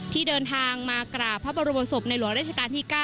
ที่เดินทางมากราบพระบรมศพในหลวงราชการที่๙